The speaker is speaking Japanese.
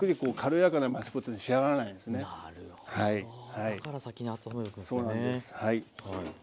だから先に温めておくんですね。